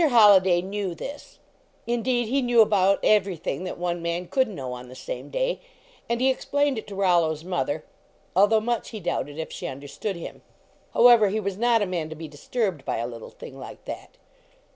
Holliday knew this ; indeed he knew about everything that one man could know on the same day, and he explained it to Rollo s mother, although much he doubted if she un derstood him. However, he was not a man to be disturbed by a little thing like that.